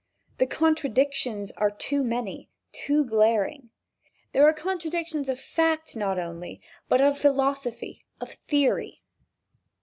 The contradictions are too many, too glaring. There are contradictions of fact not only, but of philosophy, of theory.